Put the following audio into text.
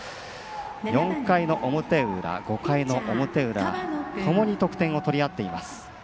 ４回の表裏５回の表裏ともに得点を取りあっています。